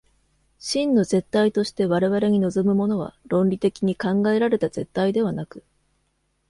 真の絶対として我々に臨むものは、論理的に考えられた絶対ではなく、